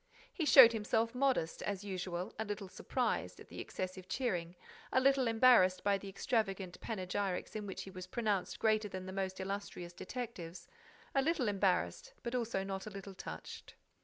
He showed himself modest, as usual, a little surprised at the excessive cheering, a little embarrassed by the extravagant panegyrics in which he was pronounced greater than the most illustrious detectives—a little embarrassed, but also not a little touched.